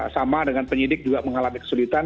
sama dengan penyidik juga mengalami kesulitan